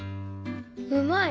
うまい！